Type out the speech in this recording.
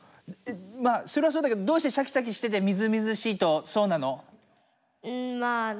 まあそれはそうだけどどうしてシャキシャキしててみずみずしいとそうなの？